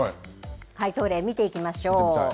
解答例、見ていきましょう。